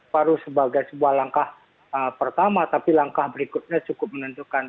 baru sebagai sebuah langkah pertama tapi langkah berikutnya cukup menentukan